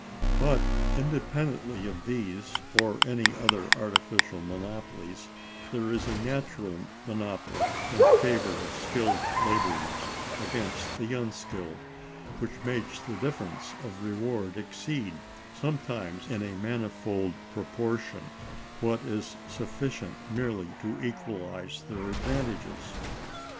But, independently of these or any other artificial monopolies, there is a natural monopoly in favor of skilled laborers against the unskilled, which makes the difference of reward exceed, sometimes in a manifold proportion, what is sufficient merely to equalize their advantages.